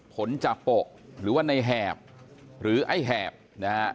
ผลจาโปะหรือว่าในแหบหรือไอ้แหบนะฮะ